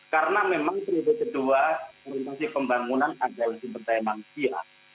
karena memang kemudian kedua orientasi pembangunan adalah sumber daya manusia